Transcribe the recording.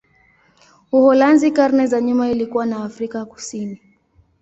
Uholanzi karne za nyuma ilikuwa na Afrika Kusini.